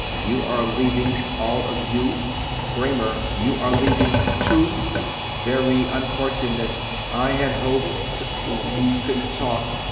You are leaving, all of you? Kramer, you are leaving, too? Very unfortunate. I had hoped we could talk.